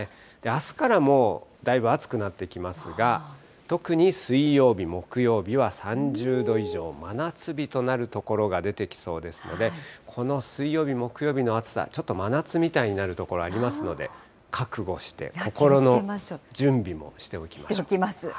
あすからもうだいぶ暑くなってきますが、特に水曜日、木曜日は３０度以上、真夏日となる所が出てきそうですので、この水曜日、木曜日の暑さ、ちょっと真夏みたいになる所、ありますので、覚悟して、心の準備もしておきましょう。